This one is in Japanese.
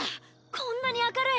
こんなに明るい！